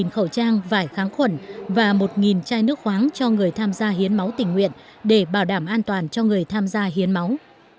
một mươi khẩu trang vải kháng khuẩn và một chai nước khoáng cho người tham gia hiến máu tình nguyện để bảo đảm an toàn cho người tham gia hiến máu